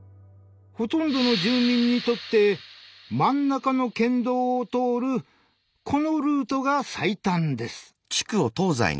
ほとんどの住民にとって真ん中の県道を通るこのルートが最短です。